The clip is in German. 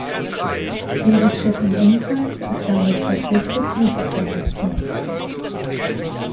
Jedes Schiff im Umkreis ist dadurch verpflichtet, Hilfe zu leisten.